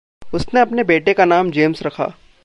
उसने अपने बेटे का नाम जेम्स रखा।